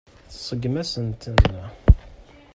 Tseggem-asent-ten.